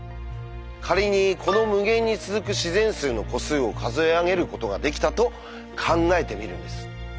仮にこの無限に続く自然数の個数を数えあげることができたと考えてみるんです。